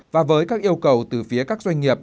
và với các yêu cầu từ phía các doanh nghiệp